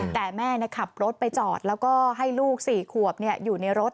แต่แม่ขับรถไปจอดแล้วก็ให้ลูก๔ขวบอยู่ในรถ